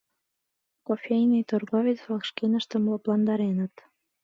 — кофейный торговец-влак шкеныштым лыпландареныт.